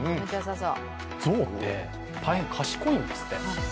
ゾウって大変賢いんですって。